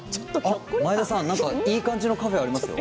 前田さん、いい感じのカフェがありますよ。